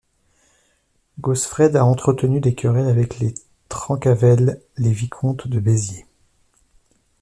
Gausfred a entretenu des querelles avec les Trencavel, les vicomtes de Béziers.